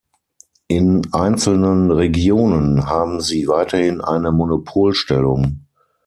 In einzelnen Regionen haben sie weiterhin eine Monopolstellung.